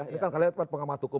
ini kan kalian pengamat hukum